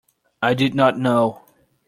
I did not know.